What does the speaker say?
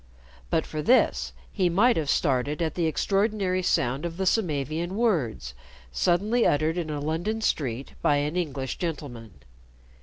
But for this he might have started at the extraordinary sound of the Samavian words suddenly uttered in a London street by an English gentleman.